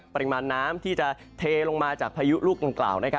ปริมาณน้ำที่จะเทลงมาจากพายุลูกดังกล่าว